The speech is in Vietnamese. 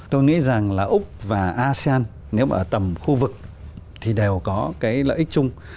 tôi nghĩ rằng là úc và asean nếu ở tầm khu vực thì đều có cái lợi ích chung